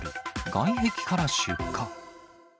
外壁から出火。